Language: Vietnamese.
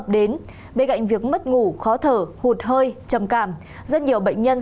đến bên cạnh việc mất ngủ khó thở hụt hơi trầm cảm rất nhiều bệnh nhân